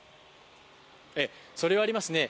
それはありますね。